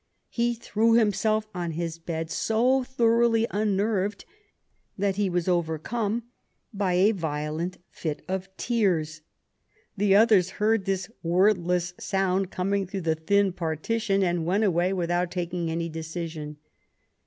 He threw himself on his bed, so thoroughly unnerved that he was overcome by a violent fit of tears. The others heard this wordless sound through the thin partition, and went away without taking any decision.